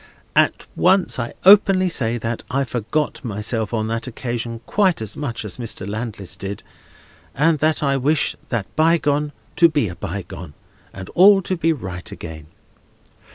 At once I openly say that I forgot myself on that occasion quite as much as Mr. Landless did, and that I wish that bygone to be a bygone, and all to be right again.